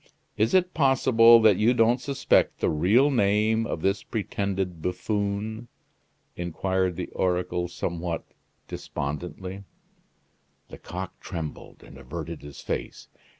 is it possible that you don't suspect the real name of this pretended buffoon?" inquired the oracle somewhat despondently. Lecoq trembled and averted his face.